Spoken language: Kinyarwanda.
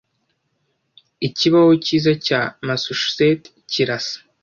Ikibaho cyiza cya Massachusetts kirasa